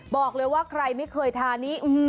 บอกเลยว่าใครไม่เคยทานนี้